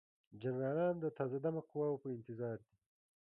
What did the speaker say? جنرالان د تازه دمه قواوو په انتظار دي.